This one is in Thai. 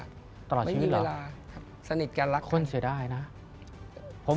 ตลอดชีวิตหรอค่ะคนเสียดายนะไม่มีเวลาสนิทกันรักกัน